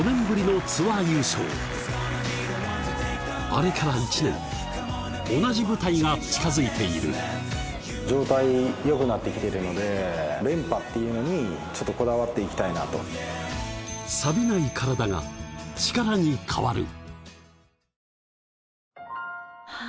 あれから１年同じ舞台が近づいている連覇っていうのにちょっとこだわっていきたいなとさびない体がチカラに変わる！